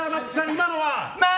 今のは？